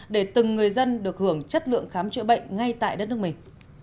để từng người dân được hưởng chất lượng khám chữa bệnh ngay tại đất nước mình